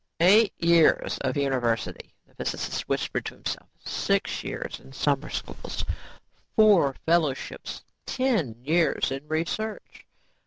"Eight years of university," the physicist whispered to himself. "Six years in summer schools. Four fellowships. Ten years in research.